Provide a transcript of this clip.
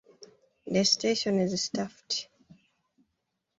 The station is staffed.